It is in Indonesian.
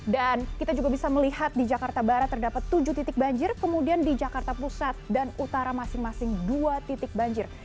dan kita juga bisa melihat di jakarta barat terdapat tujuh titik banjir kemudian di jakarta pusat dan utara masing masing dua titik banjir